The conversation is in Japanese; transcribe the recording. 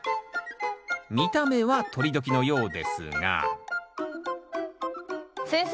見た目はとり時のようですが先生